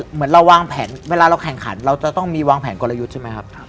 เหมือนเราวางแผนเวลาเราแข่งขันเราจะต้องมีวางแผนกลยุทธ์ใช่ไหมครับ